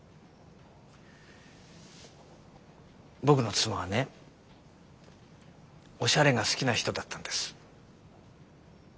僕の妻はねおしゃれが好きな人だったんです。